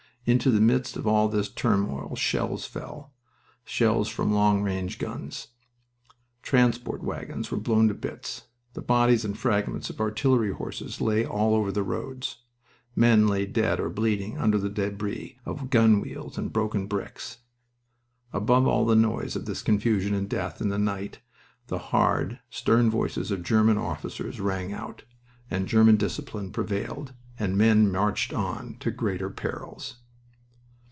Into the midst of all this turmoil shells fell shells from long range guns. Transport wagons were blown to bits. The bodies and fragments of artillery horses lay all over the roads. Men lay dead or bleeding under the debris of gun wheels and broken bricks. Above all the noise of this confusion and death in the night the hard, stern voices of German officers rang out, and German discipline prevailed, and men marched on to greater perils.